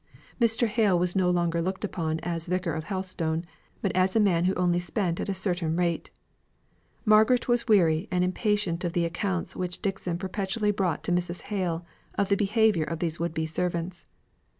Mr. Hale was no longer looked upon as Vicar of Helstone, but as a man who only spent at a certain rate. Margaret was weary and impatient of the accounts which Dixon perpetually brought to Mrs. Hale of the behaviour of these would be servants.